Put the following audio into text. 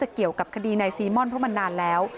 กับคดีนายซีมอนเพราะมันนานแล้ว